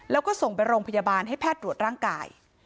แล้วก็ส่งไปโรงพยาบาลให้แพทย์ตรวจร่างกาย